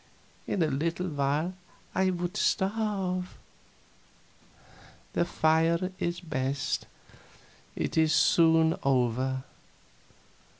In a little while I would starve. The fire is best; it is soon over.